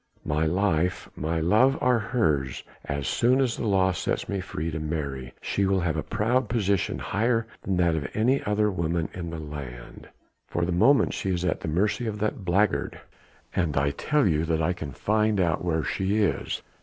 My life, my love are hers and as soon as the law sets me free to marry she will have a proud position higher than that of any other woman in the land." "For the moment she is at the mercy of that blackguard...." "And I tell you that I can find out where she is."